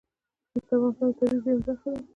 مس د افغانستان د طبیعي زیرمو برخه ده.